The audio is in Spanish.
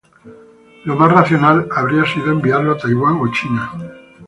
Lo más racional habría sido enviarlo a Taiwán o China.